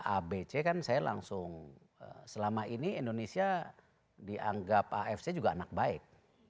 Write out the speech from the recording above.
abc kan saya langsung selama ini indonesia dianggap afc juga anak baik